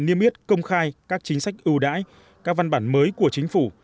niêm yết công khai các chính sách ưu đãi các văn bản mới của chính phủ